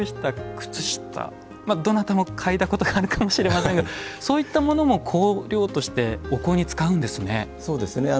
どなたも嗅いだことがあるかもしれませんがそういったものも香料としてお香に使うんですね。